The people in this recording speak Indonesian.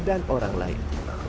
dan orang lain